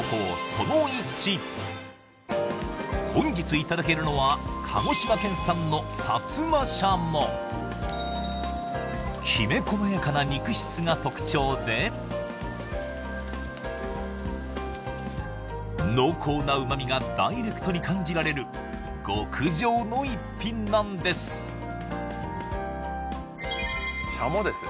その１本日いただけるのは鹿児島県産の薩摩シャモきめ細やかな肉質が特徴で濃厚な旨味がダイレクトに感じられる極上の逸品なんですシャモですね